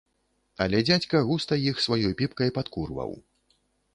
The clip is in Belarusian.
Але дзядзька густа іх сваёй піпкай падкурваў.